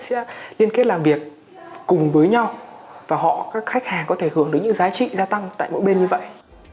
sẽ liên kết làm việc cùng với nhau và họ các khách hàng có thể hưởng đến những giá trị gia tăng tại mỗi bên như vậy